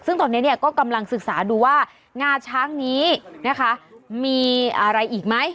ซึ่งตอนนี้เนี่ยก็กำลังศึกษาดูว่างาช้างนี้นะคะมีอะไรอีกไหม